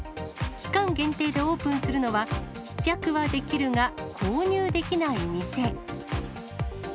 期間限定でオープンするのは、試着はできるが購入できない店。